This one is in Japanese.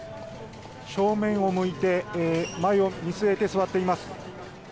正面を向いて前を見据えて座っています。